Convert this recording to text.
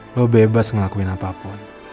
lo bebas ngelakuin apapun